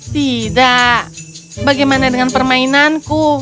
tidak bagaimana dengan permainanku